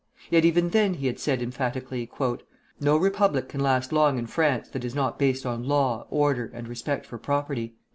Yet even then he had said emphatically: "No republic can last long in France that is not based on law, order, and respect for property."